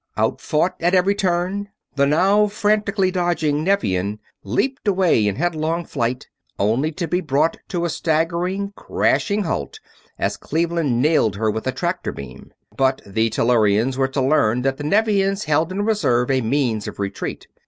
Outfought at every turn, the now frantically dodging Nevian leaped away in headlong flight, only to be brought to a staggering, crashing halt as Cleveland nailed her with a tractor beam. But the Tellurians were to learn that the Nevians held in reserve a means of retreat.